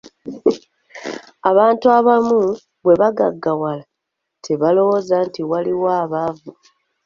Abantu abamu bwe bagaggawala tebalowooza nti waliyo abaavu.